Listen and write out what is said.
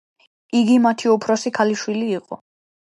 იგი მათი უფროსი ქალიშვილი იყო.